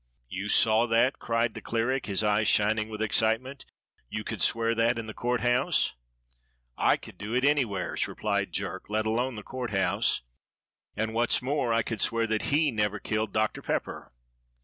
"You saw that?" cried the cleric, his eyes shining with excitement. "You could swear that in the Court House?" "I could do it anywheres," replied Jerk, "let alone the Court House, and what's more, I could swear that he never killed Doctor Pepper."